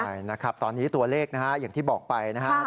ใช่นะครับตอนนี้ตัวเลขนะฮะอย่างที่บอกไปนะครับ